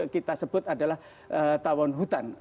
kita sebut adalah tawon hutan